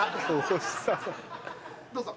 どうぞ。